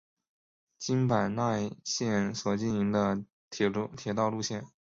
京阪奈线所经营的铁道路线。